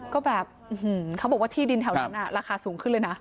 ก็แบบเขาบอกว่าที่ดินแถวนั้นราคาสูงขึ้นเลยนะ